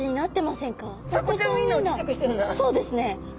そうですね。